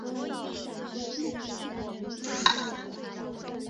格拉哥里字母是第一种用来记录古教会斯拉夫语的字母。